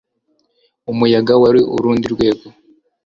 Umuyaga wari urundi rwego